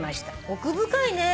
奥深いね。